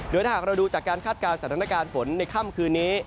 โดยถ้าหากเราดูจากการคาดการณ์สถานการณ์ฝนในค่ำคืนนี้